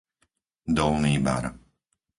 Dolný Bar